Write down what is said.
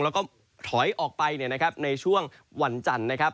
แล้วก็ถอยออกไปในช่วงวันจันทร์นะครับ